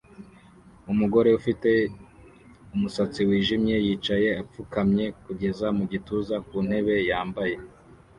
Umugore ufite umusatsi wijimye yicaye apfukamye kugeza mu gituza ku ntebe yambaye